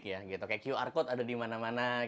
kayak qr code ada di mana mana